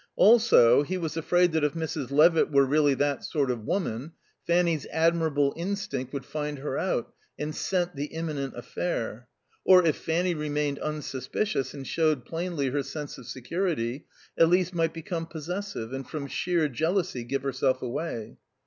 Also he was afraid that if Mrs. Levitt were really that sort of woman, Fanny's admirable instinct would find her out and scent the imminent affair. Or if Fanny remained unsuspicious and showed plainly her sense of security, Elise might become possessive and from sheer jealousy give herself away.